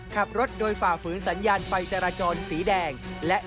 ขับรถโดยฝ่าฝืนสัญญาณไฟจราจรสีแดงและ